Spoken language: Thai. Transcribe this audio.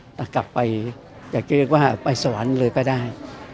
เพื่อจะทำพิธีส่งเขากลับไปสวรรค์เลยก็ได้